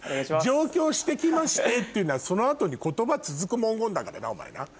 上京して来ましてっていうのはその後に言葉続く文言だからなお前な。